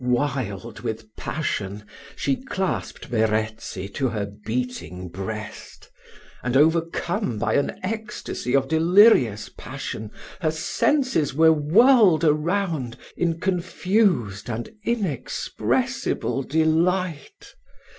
Wild with passion, she clasped Verezzi to her beating breast; and, overcome by an ecstasy of delirious passion, her senses were whirled around in confused and inexpressible delight.